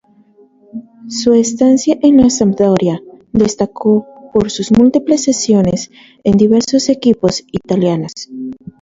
Su estancia en la Sampdoria destacó por sus múltiples cesiones en diversos equipos italianos.